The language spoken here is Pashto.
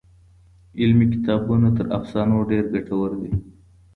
علمي کتابونه تر افسانو ډېر ګټور دي.